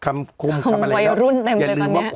ของวัยรุ่นเต็มเลยตอนนี้